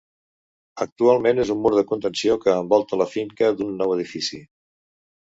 Actualment és un mur de contenció que envolta la finca d'un nou edifici.